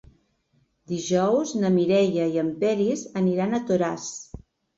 Dijous na Mireia i en Peris aniran a Toràs.